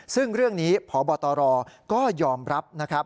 ซึ่งเรื่องนี้พบตรก็ยอมรับ